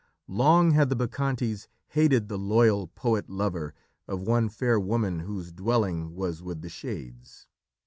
Long had the Bacchantes hated the loyal poet lover of one fair woman whose dwelling was with the Shades.